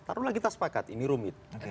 taruh lagi tas pakat ini rumit